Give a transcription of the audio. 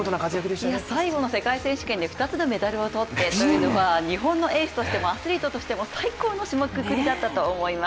最後の世界選手権で２つのメダルを取ってというのは日本のエースとしてもアスリートとしても最高の締めくくりだったと思います。